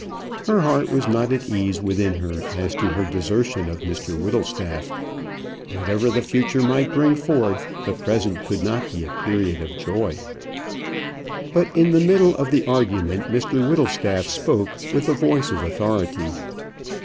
Her heart was not at ease within her as to her desertion of Mr Whittlestaff. Whatever the future might bring forth, the present could not be a period of joy But in the middle of the argument, Mr Whittlestaff spoke with the voice of authority.